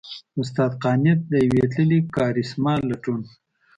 استاد قانت؛ د يوې تللې کارېسما لټون!